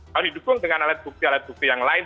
kalau didukung dengan alat bukti alat bukti yang lain